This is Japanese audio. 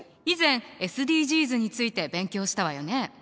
以前ＳＤＧｓについて勉強したわよね。